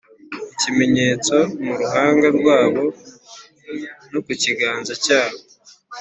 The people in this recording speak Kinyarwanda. Ikimenyetso mu ruhanga rwabo no ku kiganza cyabo